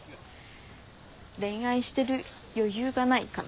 恋愛してる余裕がないかな。